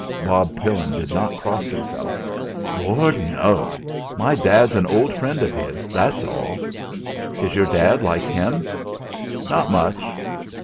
Bob Pillin did not cross himself. "Lord! No! My dad's an old friend of his; that's all." "Is your dad like him?" "Not much."